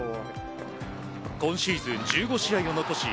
今シーズン、１５試合を残し